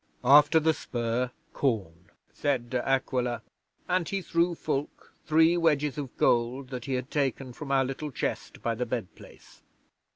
'"After the spur, corn," said De Aquila, and he threw Fulke three wedges of gold that he had taken from our little chest by the bedplace.